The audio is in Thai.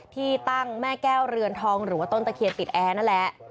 ที่ตั้งแม่แก้วเรือนทองหรือว่าต้นตะเคียนติดแอร์นั่นแหละ